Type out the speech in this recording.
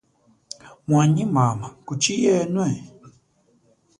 Mwanyi mama kuchi yenwe?